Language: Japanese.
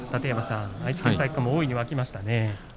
愛知県体育館も大きく沸きましたね。